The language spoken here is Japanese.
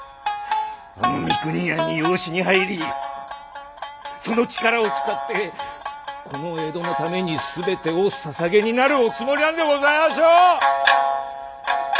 あの三国屋に養子に入りその力を使ってこの江戸のためにすべてをささげになるおつもりなんでございましょう！